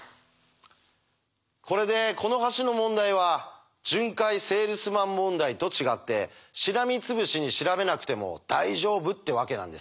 これでこの橋の問題は巡回セールスマン問題と違ってしらみつぶしに調べなくても大丈夫ってわけなんですね。